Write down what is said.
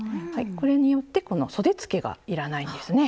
これによってこのそでつけがいらないんですね。